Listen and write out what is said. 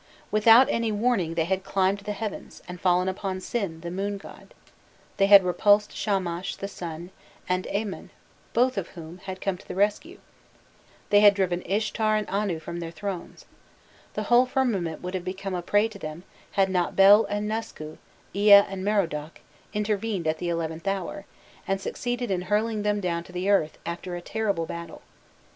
Without any warning they had climbed the heavens, and fallen upon Sin, the moon god; they had repulsed Shamash, the Sun, and Eamman, both of whom had come to the rescue; they had driven Ishtar and Anu from their thrones: the whole firmament would have become a prey to them, had not Bel and Nusku, Ea and Merodach, intervened at the eleventh hour, and succeeded in hurling them down to the earth, after a terrible battle.